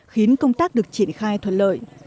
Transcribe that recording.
khiến công tác được triển khai thuận lợi